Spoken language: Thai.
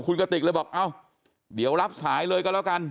คุณกติกเลยบอกเอ้าเดี๋ยวรับสายเลยก็แล้วกัน